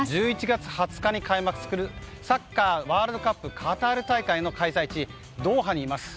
１１月２０日に開幕するサッカーワールドカップカタール大会の開催地、ドーハにいます。